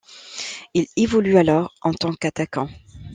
Il évolue alors en tant qu'attaquant.